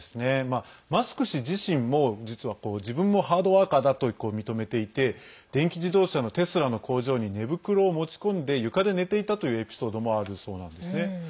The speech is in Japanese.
マスク氏自身も、実は自分もハードワーカーだと認めていて電気自動車のテスラの工場に寝袋を持ち込んで床で寝ていたというエピソードもあるそうなんですね。